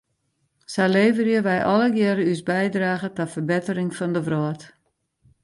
Sa leverje wij allegearre ús bydrage ta ferbettering fan de wrâld.